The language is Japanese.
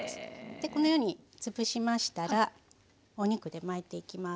このように潰しましたらお肉で巻いていきます。